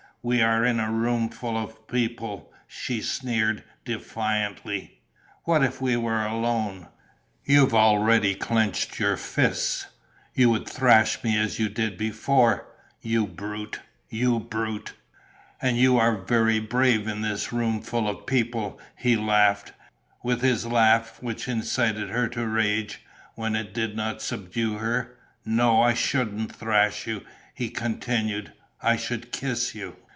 "We are in a room full of people," she sneered, defiantly. "What if we were alone? You've already clenched your fists! You would thrash me as you did before. You brute! You brute!" "And you are very brave in this room full of people!" he laughed, with his laugh which incited her to rage, when it did not subdue her. "No, I shouldn't thrash you," he continued. "I should kiss you."